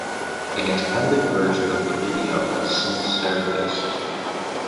An extended version of the video has since surfaced.